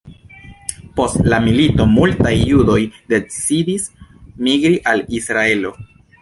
Post la milito, multaj judoj decidis migri al Israelo.